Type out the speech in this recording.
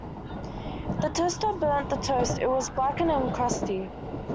The toaster burnt the toast, it was blackened and crusty.